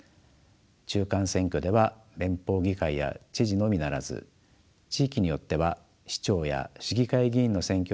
中間選挙では連邦議会や知事のみならず地域によっては市長や市議会議員の選挙も同時に行われます。